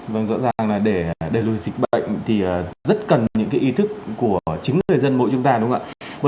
vâng rõ ràng là để đẩy lùi dịch bệnh thì rất cần những cái ý thức của chính người dân mỗi chúng ta đúng không ạ